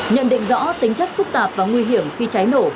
nhận định rõ tính chất phức tạp và nguy hiểm khi cháy nổ